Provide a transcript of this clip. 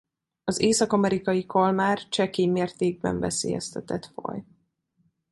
Az észak-amerikai kalmár csekély mértékben veszélyeztetett faj.